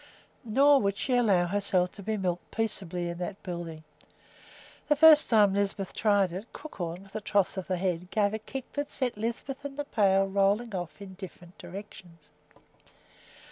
Nor would she allow herself to be milked peaceably in that building. The first time Lisbeth tried it, Crookhorn, with a toss of the head, gave a kick that sent Lisbeth and the pail rolling off in different directions.